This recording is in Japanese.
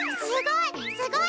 すごい！